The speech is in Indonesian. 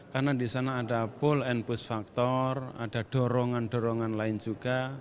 karena di sana ada pull and push factor ada dorongan dorongan lain juga